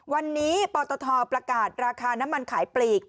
วันนี้ปตทประกาศราคาน้ำมันขายปลีก